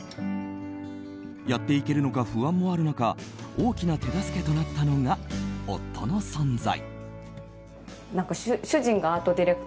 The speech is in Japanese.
やっていけるのか不安もある中大きな手助けとなったのが夫の存在。